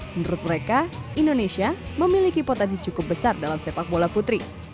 menurut mereka indonesia memiliki potensi cukup besar dalam sepak bola putri